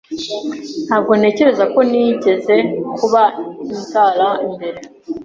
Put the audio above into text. Ntabwo ntekereza ko nigeze kuba inzara mbere.